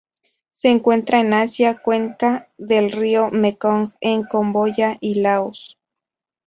Se encuentran en Asia: cuenca del río Mekong en Camboya y Laos.